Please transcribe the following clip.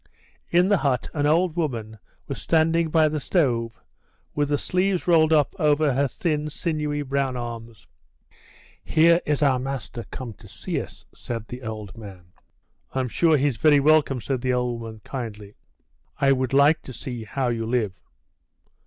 In the hut an old woman was standing by the stove, with the sleeves rolled up over her thin, sinewy brown arms. "Here is our master come to see us," said the old man. "I'm sure he's very welcome," said the old woman, kindly. "I would like to see how you live."